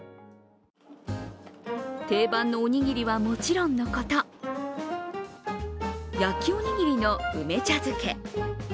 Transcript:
定番のおにぎりはもちろんのこと、焼きおにぎりの梅茶漬け